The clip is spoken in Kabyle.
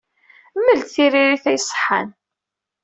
Mel-d tiririt ay iṣeḥḥan.